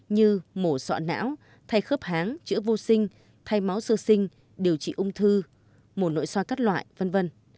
như mổ xọ não thay khớp háng chữa vô sinh thay máu sơ sinh điều trị ung thư mổ nội soi các loại v v